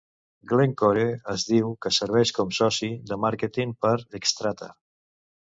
Glencore es diu que serveix com soci de màrqueting per Xstrata.